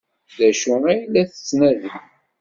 D acu ay la tettnadi?